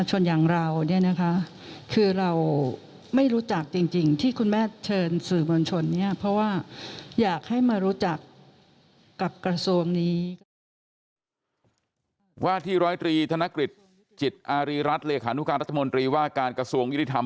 จิตอาริรัตน์เหลียกฐานุการรัฐมนตรีว่าการกระทรวงอิทธรรม